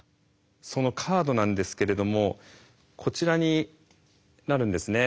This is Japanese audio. そのカードなんですけれどもこちらになるんですね。